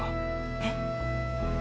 えっ？